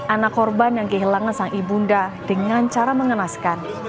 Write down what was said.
anak korban yang kehilangan sang ibunda dengan cara mengenaskan